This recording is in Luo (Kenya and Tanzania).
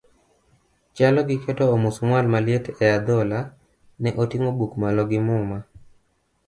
Chalo gi keto omusmual maliet e adhola, ne oting'o buk malo gi muma.